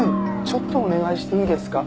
ちょっとお願いしていいですか？